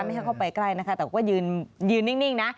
ให้เข้าไปใกล้นะคะแต่ว่ายืนนิ่งนะ